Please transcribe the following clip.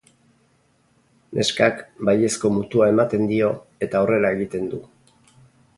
Neskak baiezko mutua ematen dio eta horrela egiten du.